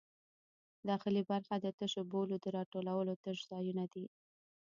داخلي برخه د تشو بولو د راټولولو تش ځایونه دي.